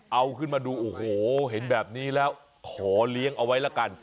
เอาขึ้นมาดูโอ้โหเห็นแบบนี้แล้วขอเลี้ยงเอาไว้ละกัน